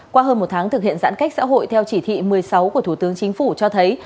qua hơn một tháng thực hiện giãn cách xã hội theo chỉ thị một mươi sáu của thủ tướng chính phủ cho thấy